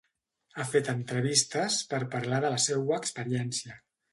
Ha fet entrevistes per parlar de la seua experiència.